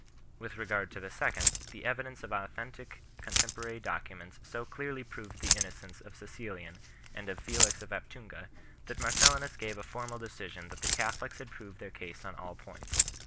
With regard to the second, the evidence of authentic contemporary documents so clearly proved the innocence of CaBcilian and of Felix of Ap tunga, that Marcellinus gave a formal decision that the Catholics had proved their case on all points.